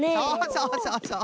そうそうそうそう。